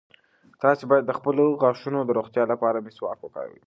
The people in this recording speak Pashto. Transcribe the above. تاسي باید د خپلو غاښونو د روغتیا لپاره مسواک وکاروئ.